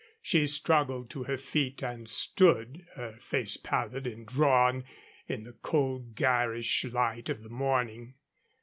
She struggled to her feet and stood, her face pallid and drawn, in the cold, garish light of the morning.